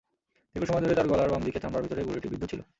দীর্ঘ সময় ধরে তাঁর গলার বাম দিকে চামড়ার ভিতরে গুলিটি বিদ্ধ ছিল।